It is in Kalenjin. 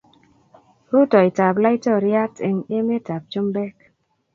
Rutoita ab laitoriat eng emet ab chumbek